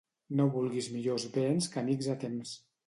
No vulguis millors béns que amics a temps.